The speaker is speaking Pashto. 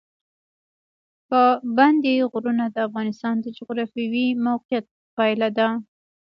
پابندی غرونه د افغانستان د جغرافیایي موقیعت پایله ده.